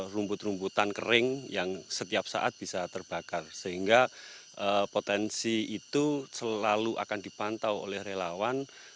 rumput rumputan kering yang setiap saat bisa terbakar sehingga potensi itu selalu akan dipantau oleh relawan